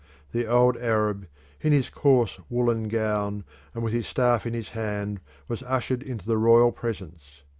The old Arab, in his coarse woollen gown and with his staff in his hand, was ushered into the royal presence.